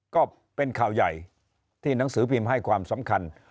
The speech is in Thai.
ก็เป็นข่าวใหญ่ที่หนังสือพิมพ์ให้ความสำคัญ